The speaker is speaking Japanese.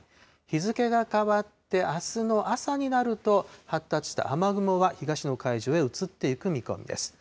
日付が変わって、あすの朝になると、発達した雨雲は東の海上へ移っていく見込みです。